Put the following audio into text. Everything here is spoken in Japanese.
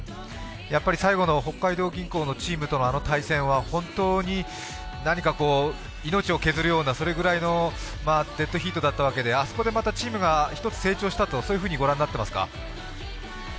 最後の北海道銀行とのチームとのあの対戦は本当に何か、命を削るようなそれくらいのデッドヒートだったわけであそこでチームがまた一つ一つ成長したと、そういうふうに御覧になっていますか？